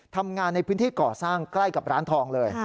ทำงานในพื้นที่ก่อสร้างใกล้กับร้านทองเลย